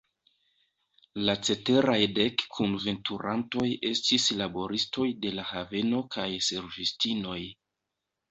La ceteraj dek kunveturantoj estis laboristoj de la haveno kaj servistinoj.